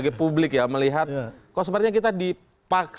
dilanjutkan saja begitu pak